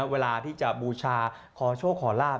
เวลาที่จะบูชาขอโชคขอลาบ